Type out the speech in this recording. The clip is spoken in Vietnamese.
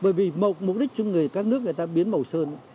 bởi vì mục đích cho các nước người ta biến màu sơn